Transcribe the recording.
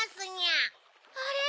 あれ？